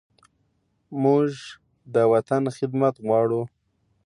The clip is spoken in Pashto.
موږ د وطن خدمت غواړو.